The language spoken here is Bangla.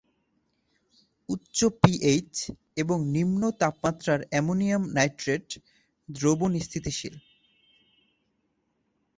উচ্চ পিএইচ এবং নিম্ন তাপমাত্রায় অ্যামোনিয়াম নাইট্রেট দ্রবণ স্থিতিশীল।